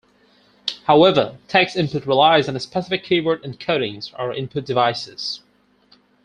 However, text input relies on specific keyboard encodings or input devices.